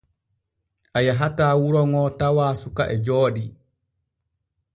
A yahataa wuro ŋo tawaa suka e jooɗii.